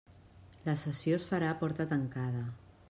La sessió es farà a porta tancada.